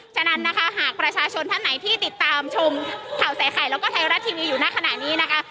ฉะนั้นนะคะหากประชาชนท่านไหนที่ติดตามชมข่าวใส่ไข่แล้วก็ไทยรัฐทีวีอยู่ในขณะนี้นะคะ